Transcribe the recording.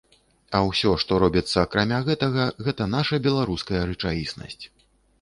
А ўсё, што робіцца акрамя гэтага, гэта наша беларуская рэчаіснасць.